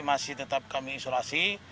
masih tetap kami isolasi